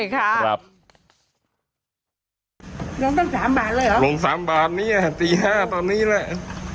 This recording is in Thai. เงินตั้ง๓บาทเลยเหรอลง๓บาทนี้ตี๕ตอนนี้แหละ